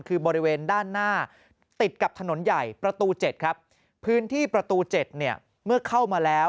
คือบริเวณด้านหน้าติดกับถนนใหญ่ประตู๗ครับพื้นที่ประตู๗เนี่ยเมื่อเข้ามาแล้ว